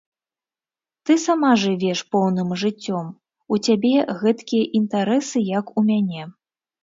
Ты сама жывеш поўным жыццём, у цябе гэткія інтарэсы, як у мяне.